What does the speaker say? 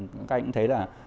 các anh cũng thấy là